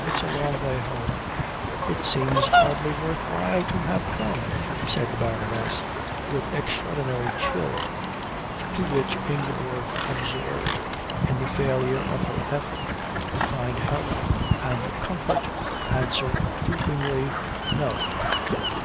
"It's a long way home." "It seems hardly worth while to have come," said the Baroness with extraordinary chill. To which Ingeborg, absorbed in the failure of her effort to find help and comfort, answered droopingly "No."